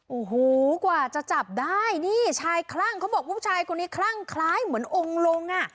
โอ้โหกว่าจะจับได้นี่ชายคลั่งเขาบอกผู้ชายคนนี้คลั่งคล้ายเหมือนองค์ลงอ่ะ